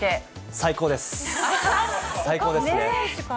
最高ですね。